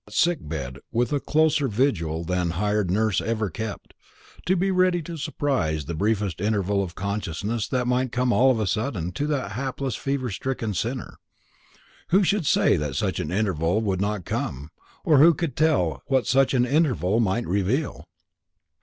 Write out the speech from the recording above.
Come what might, he wanted to be near at hand, to watch that sick bed with a closer vigil than hired nurse ever kept; to be ready to surprise the briefest interval of consciousness that might come all of a sudden to that hapless fever stricken sinner. Who should say that such an interval would not come, or who could tell what such an interval might reveal?